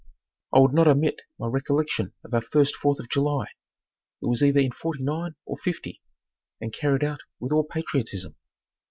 I would not omit my recollection of our first Fourth of July. It was either in '49 or '50 and carried out with all patriotism.